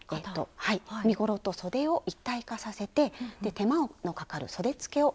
身ごろとそでを一体化させて手間のかかるそでつけを省略しています。